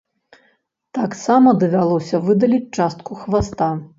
Таксама давялося выдаліць частку хваста.